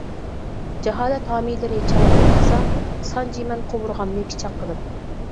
جاھالەت ھامىيلىرى چاڭ توزۇتسا، سانجىيمەن قوۋۇرغامنى پىچاق قىلىپ.